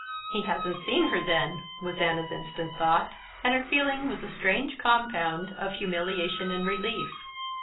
"He hasn't seen her, then!" was Anna's instant thought; and her feeling was a strange compound of humiliation and relief.